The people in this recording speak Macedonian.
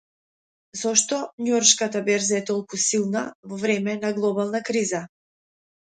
Зошто Њујоршката берза е толку силна во време на глобална криза